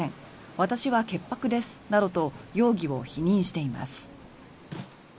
私は潔白ですなどと容疑を否認しています。